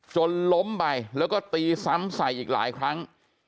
จนล้มไปแล้วก็ตีซ้ำใส่อีกหลายครั้ง